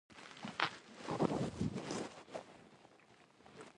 جدايي راغله لارې دوه شوې مرګ مې قبول دی جدايي نه قبلومه